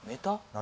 何？